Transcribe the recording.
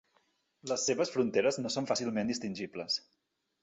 Les seves fronteres no són fàcilment distingibles.